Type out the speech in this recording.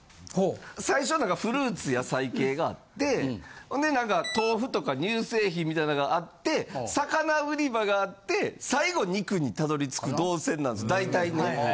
最初フルーツ野菜系があってほんで豆腐とか乳製品みたいなんがあって魚売り場があって最後肉にたどり着く動線なんです大体ね。